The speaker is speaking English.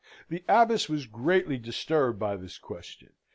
The Abbess was greatly disturbed by this question.